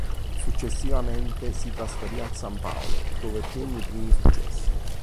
Successivamente, si trasferì al San Paolo dove ottenne i primi successi.